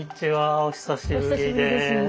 お久しぶりです。